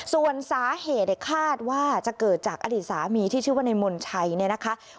ส่วนสาเหตุคาดว่าจะเกิดจากอดีตสามีที่ชื่อว่าในมนชัยเนี่ยนะคะ